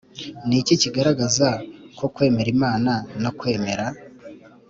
Ni iki kigaragaza ko kwemera imana no kwemera